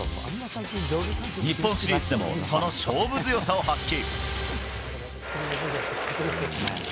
日本シリーズでもその勝負強さを発揮。